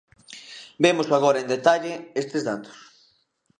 Vemos agora en detalle estes datos.